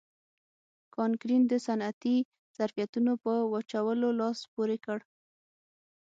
کانکرین د صنعتي ظرفیتونو په وچولو لاس پورې کړ.